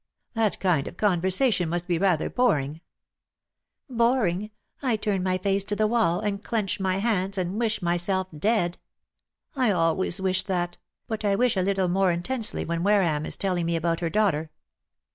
"That kind of conversation must be rather boring." "Boring! I turn my face to the wall, and clench my hands, and wish myself dead. I always wish that; but I wish a little more intensely when Wareham is telling me about her daughter."